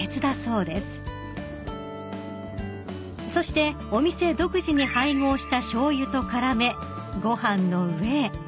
［そしてお店独自に配合したしょうゆと絡めご飯の上へ］